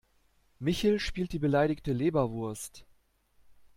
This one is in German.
Michel spielt die beleidigte Leberwurst.